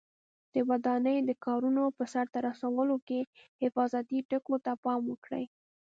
د ودانۍ د کارونو په سرته رسولو کې حفاظتي ټکو ته پام وکړئ.